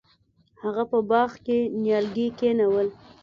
هغه په باغ کې نیالګي کینول.